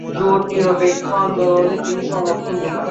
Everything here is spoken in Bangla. জোট-নিরপেক্ষ আন্দোলনে তিনি সমর্থন যোগান।